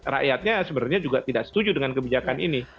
rakyatnya sebenarnya juga tidak setuju dengan kebijakan ini